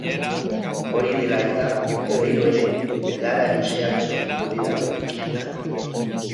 Hori dela eta, berriro ere ilara luzeak sortuko dira geltokietan.